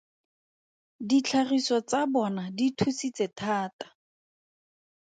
Ditlhagiso tsa bona di thusitse thata.